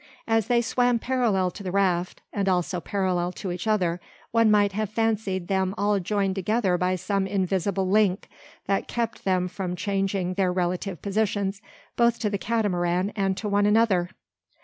As they swam parallel to the raft, and also parallel to each other, one might have fancied them all joined together by some invisible link, that kept them from changing their relative positions both to the Catamaran and to one another!